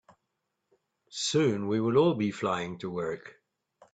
Soon, we will all be flying to work.